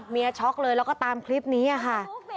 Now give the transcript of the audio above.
ช็อกเลยแล้วก็ตามคลิปนี้ค่ะ